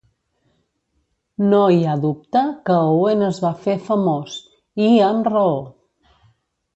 No hi ha dubte que Owen es va fer famós, i amb raó.